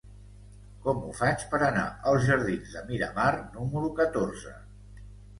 Com ho faig per anar als jardins de Miramar número catorze?